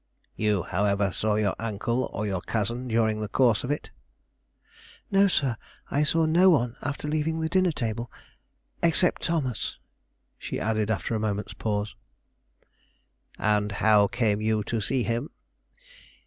"You, however, saw your uncle or your cousin during the course of it?" "No, sir; I saw no one after leaving the dinner table except Thomas," she added, after a moment's pause. "And how came you to see him?"